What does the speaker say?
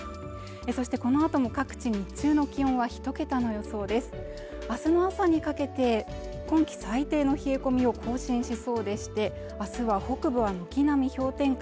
そしてこのあとも各地日中の気温は１桁の予想です明日の朝にかけて今季最低の冷え込みを更新しそうでして明日は北部は軒並み氷点下